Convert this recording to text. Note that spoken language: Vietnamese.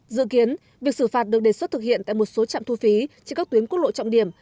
dự kiến việc xử phạt được đề xuất thực hiện tại một số trạm thu phí trên các tuyến quốc lộ trọng điểm